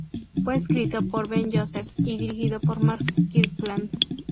Fue escrito por Ben Joseph y dirigido por Mark Kirkland.